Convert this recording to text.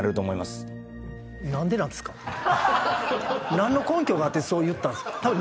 何の根拠があってそう言ったんですか？